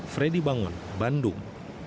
fredy bangun bandung